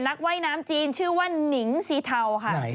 ว่ายน้ำจีนชื่อว่านิงสีเทาค่ะ